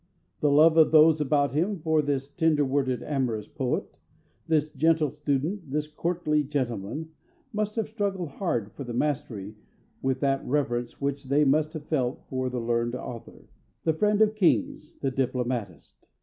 The love of those about him for this tender worded amourous poet, this gentle student, this courtly gentleman, must have struggled hard for the mastery with that reverence which they must have felt for the learned author, the friend of kings, the diplomatist.